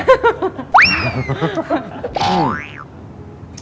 ไม่ได้